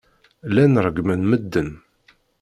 Llan reggmen medden.